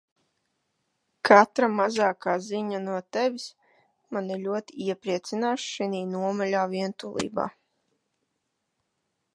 Katra mazākā ziņa no Tevis mani ļoti iepriecinās šinī nomaļā vientulībā.